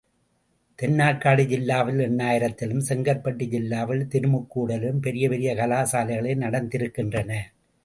தென்னாற்காடு ஜில்லாவில் எண்ணாயிரத்திலும் செங்கற்பட்டு ஜில்லாவில் திருமுக் கூடலிலும் பெரிய பெரிய கலாசாலைகளே நடத்திருக்கின்றன.